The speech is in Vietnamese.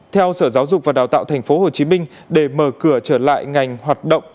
theo sở giáo dục và đào tạo thành phố hồ chí minh để mở cửa trở lại ngành hoạt động